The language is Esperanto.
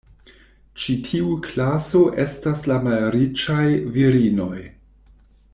Ĉi tiu klaso estas la malriĉaj virinoj.